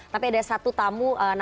tapi ada satu tamu narasumber saya juga